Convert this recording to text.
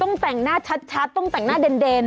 ต้องแต่งหน้าชัดต้องแต่งหน้าเด่น